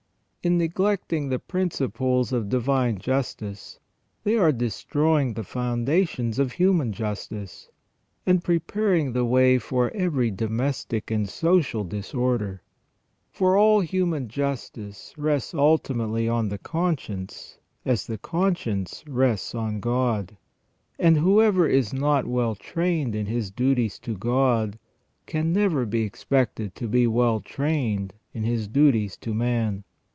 In neglecting the principles of divine justice they are destroying the foundations of human justice, and preparing the way for every domestic and social disorder. For all human justice rests ultimately on the conscience, as the con science rests on God; and whoever is not well trained in his duties to God can never be expected to be well trained in his duties to man.